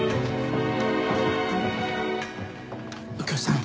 右京さん